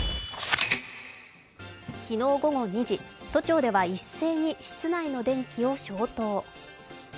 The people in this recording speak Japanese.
昨日午後２時、都庁では一斉に室内の電気を消灯。